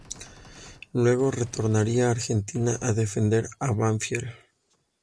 Luego retornaría a Argentina a defender a Banfield.